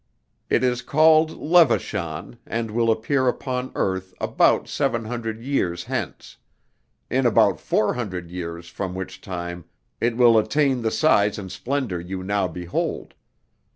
It is called Levachan, and will appear upon earth about 700 years hence; in about four hundred years from which time it will attain the size and splendor you now behold.